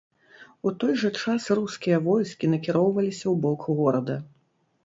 У той жа час рускія войскі накіроўваліся ў бок горада.